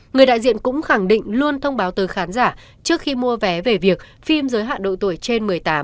người đại diện cũng khẳng định luôn thông báo tới khán giả trước khi mua vé về việc phim giới hạn độ tuổi trên một mươi tám